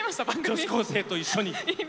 女子高生と一緒に。